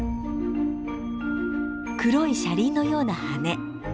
黒い車輪のような羽。